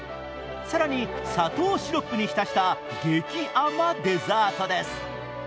更に砂糖シロップに浸した激甘デザートです。